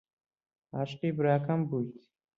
عاشقی براکەم بوویت؟